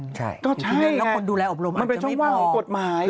ใช่ก็ใช่แล้วคนดูแลอบรมมันเป็นช่องว่างของกฎหมาย